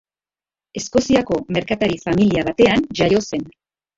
Eskoziako merkatari familia batean jaio zen.